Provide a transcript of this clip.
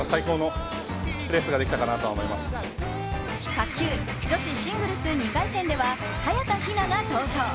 卓球女子シングルス２回戦では早田ひなが登場。